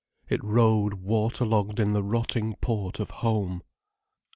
It rode water logged in the rotting port of home.